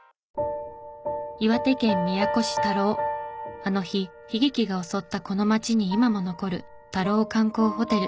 あの日悲劇が襲ったこの町に今も残るたろう観光ホテル。